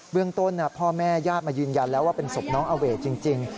เรื่องต้นพ่อแม่ญาติมายืนยันแล้วว่าเป็นศพน้องอเวทจริง